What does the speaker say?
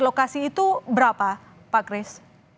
lekasi itu berapa pak kris